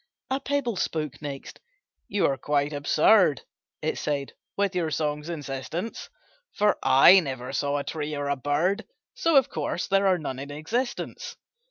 A pebble spoke next: "You are quite absurd," It said, "with your song's insistence; For I never saw a tree or a bird, So of course there are none in existence."